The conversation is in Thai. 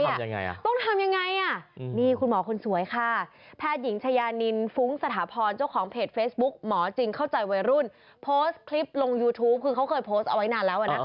ยังไงอ่ะต้องทำยังไงอ่ะนี่คุณหมอคนสวยค่ะแพทย์หญิงชายานินฟุ้งสถาพรเจ้าของเพจเฟซบุ๊กหมอจริงเข้าใจวัยรุ่นโพสต์คลิปลงยูทูปคือเขาเคยโพสต์เอาไว้นานแล้วนะคะ